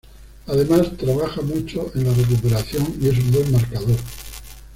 Además trabaja mucho en la recuperación y es un buen marcador.